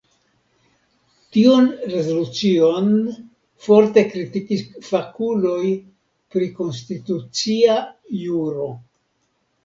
Tiun rezolucion forte kritikis fakuloj pri Konstitucia Juro.